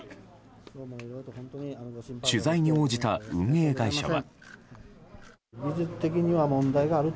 取材に応じた運営会社は。